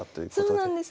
そうなんです。